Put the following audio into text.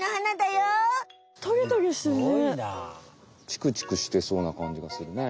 チクチクしてそうなかんじがするね。